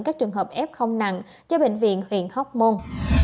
các trường hợp f nặng cho bệnh viện huyện hóc môn